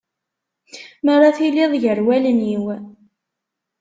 Mi ara tiliḍ gar wallen-iw.